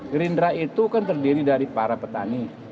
gerindra itu kan terdiri dari para petani